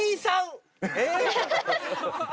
えっ？